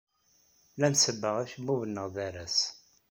La nsebbeɣ acebbub-nneɣ d aras.